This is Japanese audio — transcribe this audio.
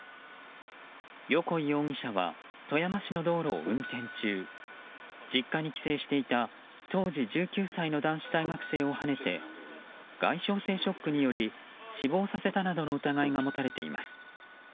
横井容疑者は富山市の道路を運転中実家に帰省していた当時１９歳の男子大学生をはねて外傷性ショックにより死亡させたなどの疑いが持たれています。